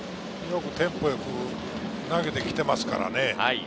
テンポよく投げてきていますからね。